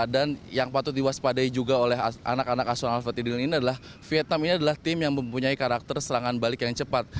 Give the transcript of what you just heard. dan yang patut diwaspadai juga oleh anak anak aswan alfred riedel ini adalah vietnam ini adalah tim yang mempunyai karakter serangan balik yang cepat